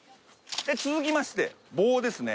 続きまして棒ですね。